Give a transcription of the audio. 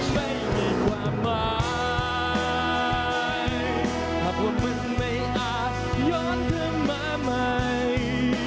ใครอาจย้อนเธอมาใหม่